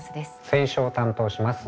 選書を担当します